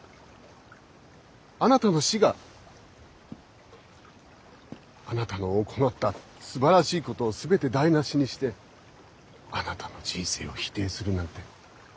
あなたの死があなたの行ったすばらしいことを全て台なしにしてあなたの人生を否定するなんて